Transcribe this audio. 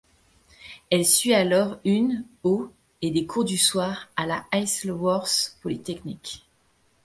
Elle suit alors une au et des cours du soir à la Isleworth Polytechnic.